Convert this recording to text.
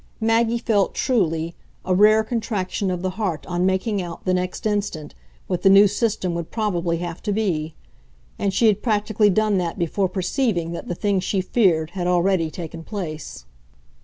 Maggie felt, truly, a rare contraction of the heart on making out, the next instant, what the new system would probably have to be and she had practically done that before perceiving that the thing she feared had already taken place.